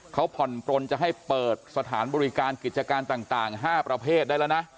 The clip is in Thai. เขาผ่อนปลนจะให้เปิดสถานบริการกิจการต่าง๕ประเภทได้แล้วนะ